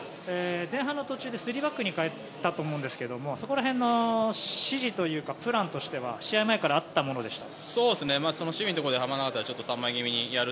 前半の途中で３バックに変えたと思うんですがそこら辺の指示というかプランとしては試合前からあったものでした？